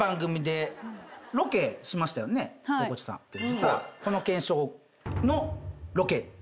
実はこの検証のロケ。